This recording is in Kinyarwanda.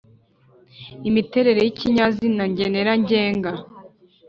imiterere y’ikinyazina ngenera ngenga